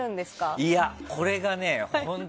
いや、これがね、本当。